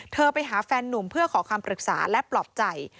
ไปหาแฟนนุ่มเพื่อขอคำปรึกษาและปลอบใจ